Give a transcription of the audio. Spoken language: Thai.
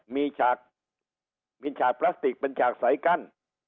มีฉากปลาสติกเป็นฉากสายกั้น